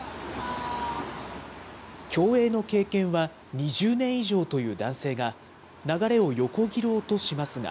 競泳の経験は２０年以上という男性が、流れを横切ろうとしますが。